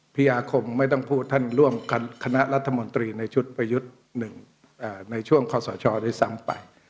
พี่อาคมไม่ต้องพูดท่านร่วมคณะรัฐมนตรีในชุดประยุทธ์๑ในช่วงข้อสชด้วยซ้ำไป